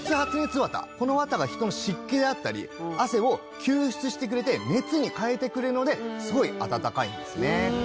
綿この綿が湿気だったり汗を吸湿してくれて熱に変えてくれるのですごい暖かいんですね。